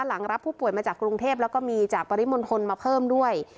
หลังรับผู้ป่วยมาจากกรุงเทพแล้วก็มีจากปริมณฑลมาเพิ่มด้วย